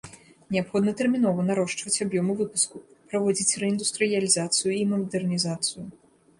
Неабходна тэрмінова нарошчваць аб'ёмы выпуску, праводзіць рэіндустрыялізацыю і мадэрнізацыю.